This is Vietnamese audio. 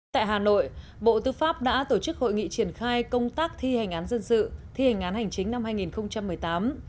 tại hà nội bộ tư pháp đã tổ chức hội nghị triển khai công tác thi hành án dân sự thi hành án hành chính năm hai nghìn một mươi tám